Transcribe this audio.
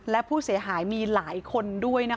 และผู้เสียหายมีหลายคนด้วยนะคะ